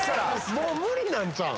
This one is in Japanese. もうムリなんちゃうん？